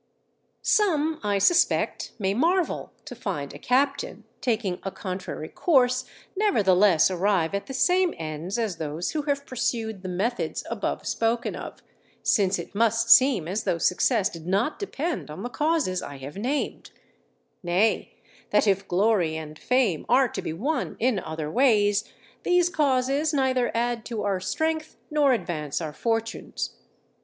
_ Some, I suspect, may marvel to find a captain, taking a contrary course, nevertheless arrive at the same ends as those who have pursued the methods above spoken of; since it must seem as though success did not depend on the causes I have named; nay, that if glory and fame are to be won in other ways, these causes neither add to our strength nor advance our fortunes.